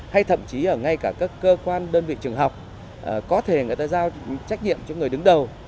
hay thậm chí ở ngay cả các cơ quan đơn vị trường học có thể người ta giao trách nhiệm cho người đứng đầu